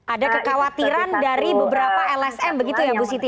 ada kekhawatiran dari beberapa lsm begitu ya bu siti